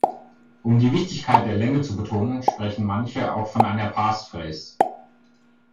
Um die Wichtigkeit der Länge zu betonen, sprechen manche auch von einer Passphrase.